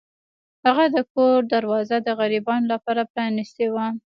هغه د کور دروازه د غریبانو لپاره پرانیستې وه.